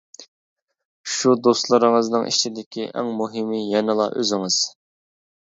شۇ دوستلىرىڭىزنىڭ ئىچىدىكى ئەڭ مۇھىمى يەنىلا ئۆزىڭىز.